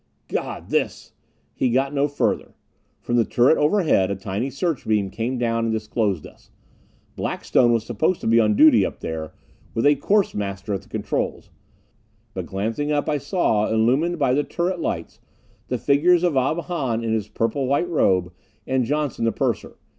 "God this " He got no further. From the turret overhead a tiny search beam came down and disclosed us. Blackstone was supposed to be on duty up there, with a course master at the controls. But, glancing up, I saw, illumined by the turret lights, the figures of Ob Hahn in his purple white robe, and Johnson the purser.